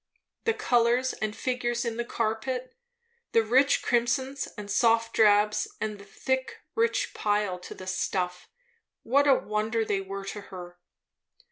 The colours and figures in the carpet; the rich crimsons and soft drabs, and the thick, rich pile to the stuff, what a wonder they were to her.